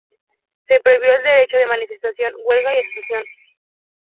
Se prohibió el derecho de manifestación, huelga y asociación.